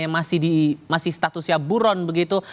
yang masih statusnya buron begitu